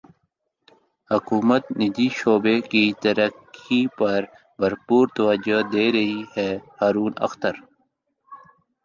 حکومت نجی شعبے کی ترقی پر بھرپور توجہ دے رہی ہے ہارون اختر